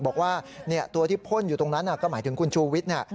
บอกว่าตัวที่พ่นอยู่ตรงนั้นก็หมายถึงคุณชูวิทย์